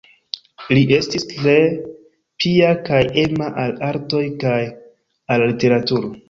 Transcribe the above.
Li estis tre pia kaj ema al artoj kaj al literaturo.